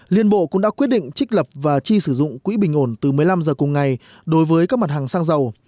liên bộ cũng đã quyết định trích lập và chi sử dụng quỹ bình ổn từ một mươi năm h cùng ngày đối với các mặt hàng xăng dầu